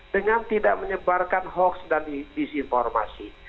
dengan tidak menyebarkan hoax dan disinformasi